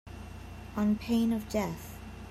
On pain of death.